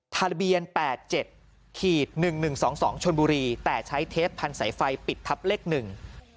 ทาระเบียน๘๗๑๑๒๒ชนบุรีแต่ใช้เทปพันศ์สายไฟปิดทับเลขหนึ่ง